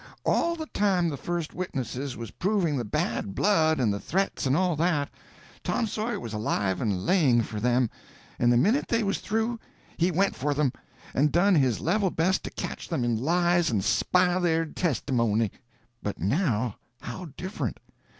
All the time the first witnesses was proving the bad blood and the threats and all that, Tom Sawyer was alive and laying for them; and the minute they was through, he went for them, and done his level best to catch them in lies and spile their testimony. But now, how different.